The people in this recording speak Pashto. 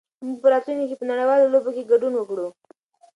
موږ به په راتلونکي کې په نړيوالو لوبو کې ګډون وکړو.